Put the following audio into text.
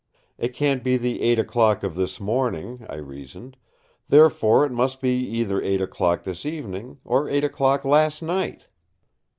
It can't be the eight o'clock of this morning, I reasoned; therefore, it must be either eight o'clock this evening or eight o'clock last night.